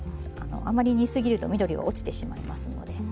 あまり煮過ぎると緑が落ちてしまいますので。